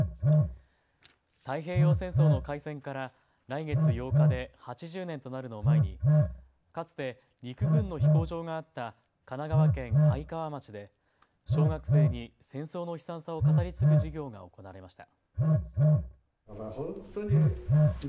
太平洋戦争の開戦から来月８日で８０年となるのを前にかつて陸軍の飛行場があった神奈川県愛川町で小学生に戦争の悲惨さを語り継ぐ授業が行われました。